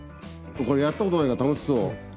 これやったことないから楽しそう。